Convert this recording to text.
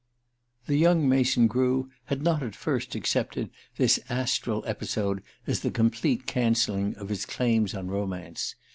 The young Mason Grew had not at first accepted this astral episode as the complete cancelling of his claims on romance.